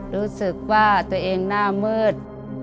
รู้สึกว่าตัวเองหน้ามืด